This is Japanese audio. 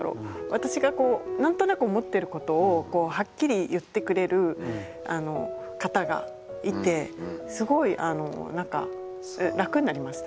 私がこう何となく思ってることをこうはっきり言ってくれる方がいてすごいあの何か楽になりました。